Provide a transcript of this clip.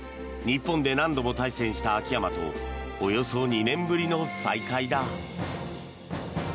日本で何度も対戦した秋山とおよそ２年ぶりの再会だ。